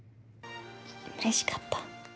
うれしかった。